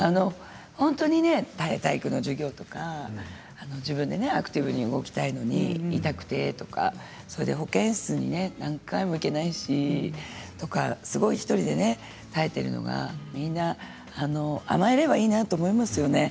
本当に体育の授業とか自分でアクティブに動きたいのに痛くてとかそれで、保健室に何回も行けないしとか１人で耐えているのが、みんな甘えればいいなと思いますよね。